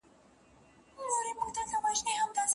نو املا به سمه ولیکې.